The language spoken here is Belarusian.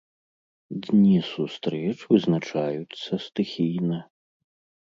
Дні сустрэч вызначаюцца стыхійна.